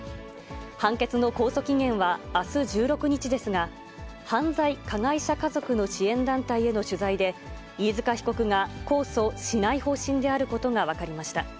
判決の控訴期限はあす１６日ですが、犯罪加害者家族の支援団体への取材で、飯塚被告が控訴しない方針であることが分かりました。